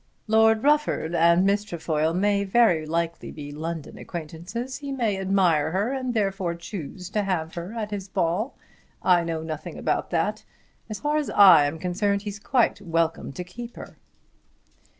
Lord Rufford and Miss Trefoil may very likely be London acquaintances. He may admire her and therefore choose to have her at his ball. I know nothing about that. As far as I am concerned he's quite welcome to keep her."